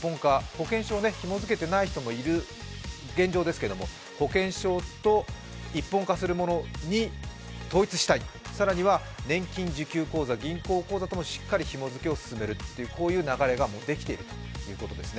保険証をひも付けていない人もいる現状ですけれども保険証と一本化するものに統一したい、更には年金受給口座銀行口座ともしっかりひも付けを進める、こういう流れができているということです。